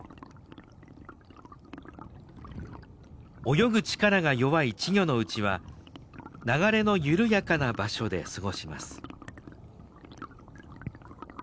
泳ぐ力が弱い稚魚のうちは流れの緩やかな場所で過ごします。